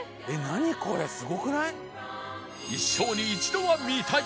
一生に一度は見たい！